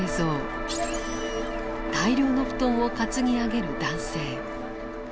大量の布団を担ぎ上げる男性。